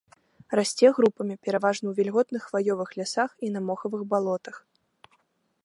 Расце групамі, пераважна ў вільготных хваёвых лясах і на мохавых балотах.